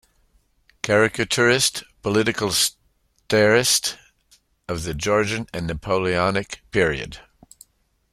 Caricaturist - political stairist of the Georgian and Napoleonic period.